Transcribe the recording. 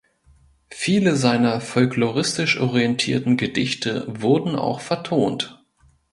Viele seiner folkloristisch orientierten Gedichte wurden auch vertont.